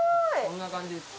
こんな感じです。